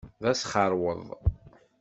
D asxeṛweḍ.